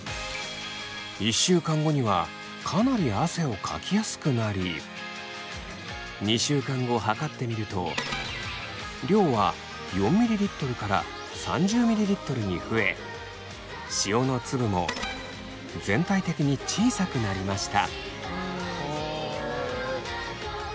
１週間後にはかなり汗をかきやすくなり２週間後測ってみると量は４ｍｌから３０ｍｌに増え塩の粒も全体的に小さくなりました。